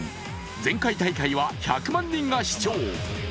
前回大会は１００万人が視聴。